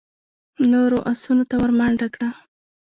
نورو آسونو ته ور منډه کړه.